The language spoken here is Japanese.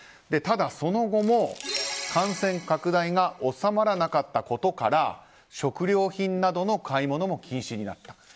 ただその後も感染拡大が収まらなかったことから食料品などの買い物も禁止になった。